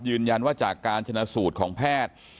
ยืนยันว่าจากการชนะสูตรของแพทย์